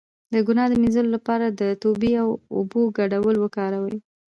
د ګناه د مینځلو لپاره د توبې او اوبو ګډول وکاروئ